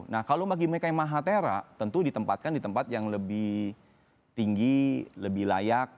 nah kalau bagi mereka yang mahatera tentu ditempatkan di tempat yang lebih tinggi lebih layak